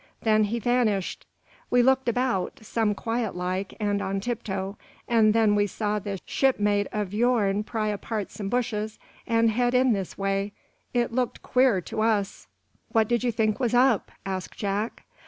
Then he vanished. We looked about, some quiet like, and on tiptoe, and then we saw this shipmate o' your'n pry apart some bushes and head in this way. It looked queer to us." "What did you think was up?" asked Jack.